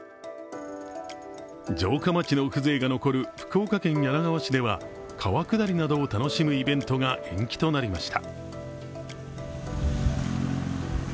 城下町の風情が残る福岡県柳川市では川下りなどを楽しむイベントが延期となりました。